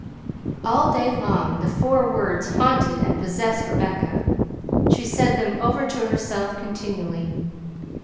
All day long the four words haunted and possessed Rebecca; she said them over to herself continually.